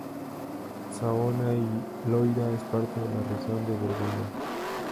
Saona y Loira es parte de la región de Borgoña.